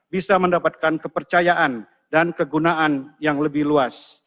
bisa mendapatkan kepercayaan dan kegunaan yang lebih luas